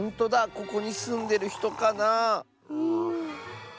ここにすんでるひとかなあ？